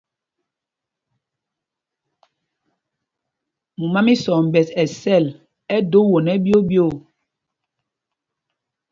Mumá mí Sɔmbɛs ɛ sɛl, ɛ do won ɛɓyoo ɓyoo.